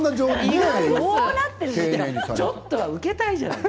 ちょっと受けたいじゃない。